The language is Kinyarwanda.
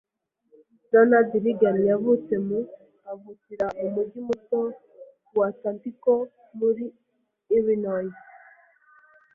Ronald Reagan yavutse mu , avukira mu mujyi muto wa Tampico, muri Illinois.